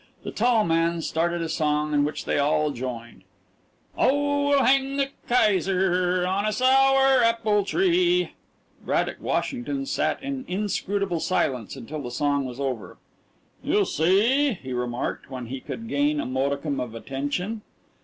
The tall man started a song in which they all joined "Oh, we'll hang the kaiser On a sour apple tree " Braddock Washington sat in inscrutable silence until the song was over. "You see," he remarked, when he could gain a modicum of attention.